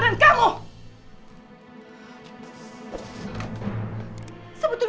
mama tahu inisemua olah kamu